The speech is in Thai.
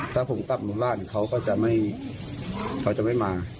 ถ้าผมกลับหมู่บ้านเขาก็จะไม่มา